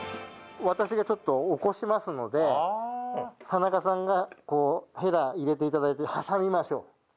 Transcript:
私がちょっと起こしますので田中さんがこうへら入れて頂いて挟みましょう。